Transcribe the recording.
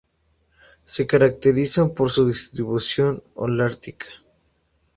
Se caracterizan por su distribución Holártica.